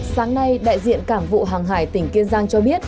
sáng nay đại diện cảng vụ hàng hải tỉnh kiên giang cho biết